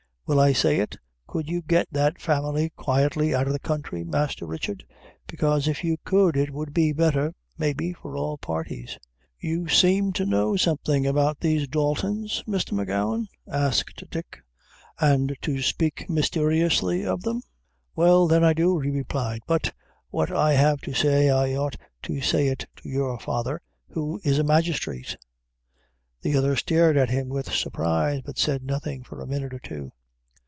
will I say it? could you get that family quietly out of the counthry, Masther Richard? Bekaise if you could, it would be betther, maybe, for all parties." "You seem to know something about these Daltons, Mr. M'Gowan?" asked Dick, "and to speak mysteriously of them?" "Well, then, I do," he replied; "but! what I have to say, I ought to say it to your father, who is a magistrate." The other stared at him with surprise, but said nothing for a minute or two.